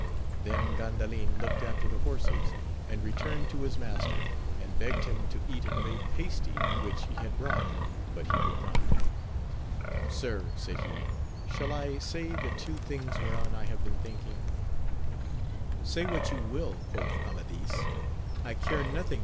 Then Gandalin looked after the horses, and returned to his master, and begged him to eat of a pasty which he had brought, but he would not. Sir, said he, shall I say the two things whereon I have been thinking % Say what you wiU, quoth Amadis ; I care nothing 280 AMADIS OF GAUL.